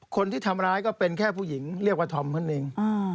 คนที่ทำร้ายก็เป็นแค่ผู้หญิงเรียกว่าธอมเท่านั้นเอง